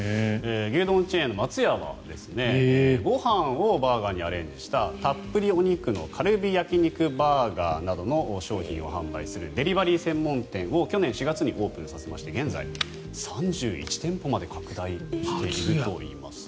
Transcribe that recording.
牛丼チェーンの松屋はご飯をバーガーにアレンジしたたっぷりお肉のカルビ焼肉バーガーなどの商品を販売するデリバリー専門店を去年４月にオープンさせまして現在、３１店舗まで拡大しているといいます。